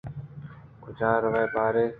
کجاروے باریں